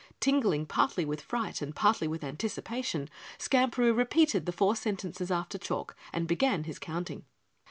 Tingling partly with fright and partly with anticipation, Skamperoo repeated the four sentences after Chalk and began his counting.